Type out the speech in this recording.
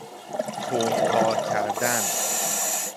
کند کار کردن